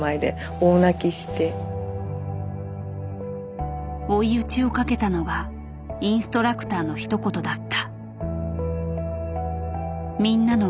その回の中では追い打ちをかけたのがインストラクターのひと言だった。